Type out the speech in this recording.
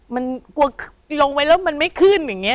มันกลัวลงไว้แล้วมันไม่ขึ้นอย่างนี้